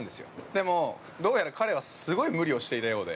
でも、どうやら彼はすごい無理をしていたようで。